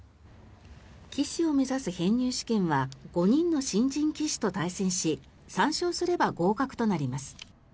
棋士を目指す編入試験は５人の新人棋士と対戦し３勝すれば合格となります。